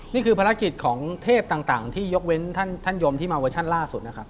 นี่คือภารกิจของเทพต่างที่ยกเว้นท่านยมที่มาเวอร์ชั่นล่าสุดนะครับ